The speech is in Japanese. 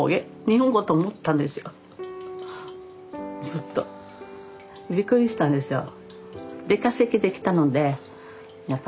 ずっと。びっくりしたんですよ。